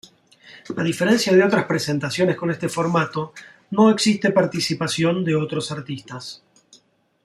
A diferencia de otras presentaciones con este formato, no existe participación de otros artistas.